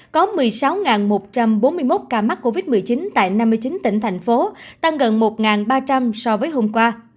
có một mươi sáu một trăm bốn mươi một ca mắc covid một mươi chín tại năm mươi chín tỉnh thành phố tăng gần một ba trăm linh so với hôm qua